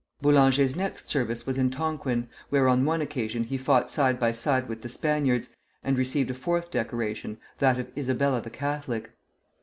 Boulanger's next service was in Tonquin, where on one occasion he fought side by side with the Spaniards, and received a fourth decoration, that of Isabella the Catholic.